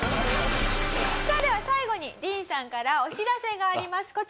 では最後にディーンさんからお知らせがあります。